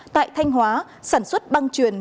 tại thanh hóa sản xuất băng truyền